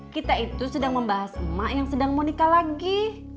kita itu sedang membahas emak yang sedang mau nikah lagi